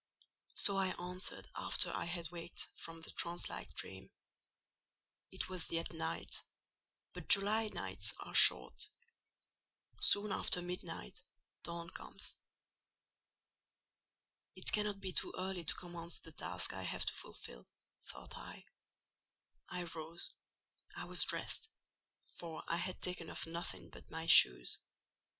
So I answered after I had waked from the trance like dream. It was yet night, but July nights are short: soon after midnight, dawn comes. "It cannot be too early to commence the task I have to fulfil," thought I. I rose: I was dressed; for I had taken off nothing but my shoes.